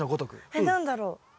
えっ何だろう？